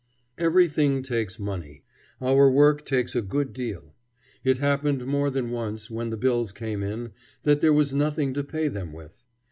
Everything takes money. Our work takes a good deal. It happened more than once, when the bills came in, that there was nothing to pay them with.